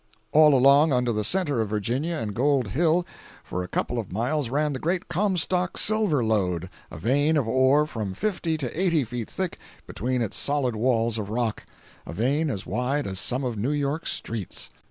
All along under the centre of Virginia and Gold Hill, for a couple of miles, ran the great Comstock silver lode—a vein of ore from fifty to eighty feet thick between its solid walls of rock—a vein as wide as some of New York's streets.